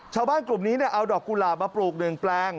ชาวบ้านกลุ่มนี้เอาดอกกุหลาบมาปลูก๑แปลง